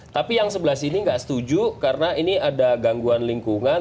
tapi yang sebelah sini nggak setuju karena ini ada gangguan lingkungan